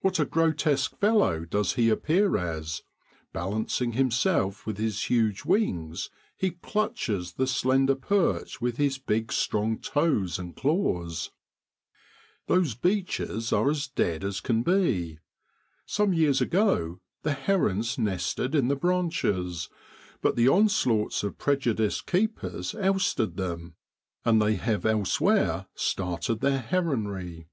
What a grotesque fellow does he appear as, balancing himself with his huge wings, he clutches the slender perch with his big strong toes and claws ! Those beeches are as dead as can be. Some years ago the herons nested in the branches, but the onslaughts of prejudiced keepers ousted them, and they have elsewhere started their heronry.